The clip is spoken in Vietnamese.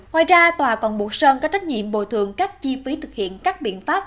ngoài ra tòa còn buộc sơn có trách nhiệm bồi thường các chi phí thực hiện các biện pháp